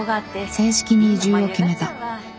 正式に移住を決めた。